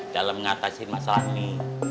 dalam ngatasin masalah ini